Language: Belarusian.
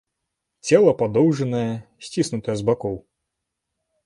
Цела падоўжанае, сціснутае з бакоў.